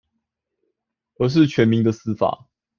而是全民的司法